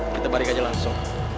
kita balik aja langsung